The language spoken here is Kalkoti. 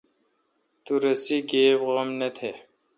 تو رسے گیب غم نہ تھ۔